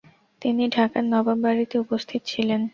তিনি ঢাকার নবাব বাড়িতে উপস্থিত ছিলেন।